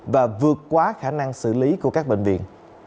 và vượt quá khả năng xử lý của các bệnh viện